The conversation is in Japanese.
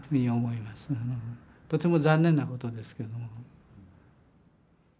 とても残念なことですけども。